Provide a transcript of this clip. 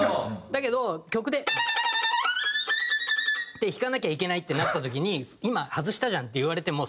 だけど曲で。って弾かなきゃいけないってなった時に「今外したじゃん」って言われても。